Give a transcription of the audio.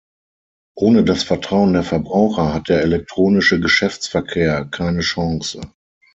Ohne das Vertrauen der Verbraucher hat der elektronische Geschäftsverkehr keine Chance.